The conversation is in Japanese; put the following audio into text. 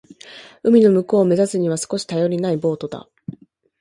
海の向こうを目指すには少し頼りないボートだ。